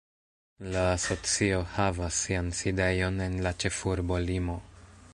La asocio havas sian sidejon en la ĉefurbo Limo.